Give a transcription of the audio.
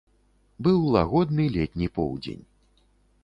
Быў лагодны летні поўдзень.